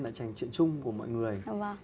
là chuyện chung của mọi người